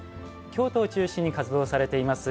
京都を中心に活動されています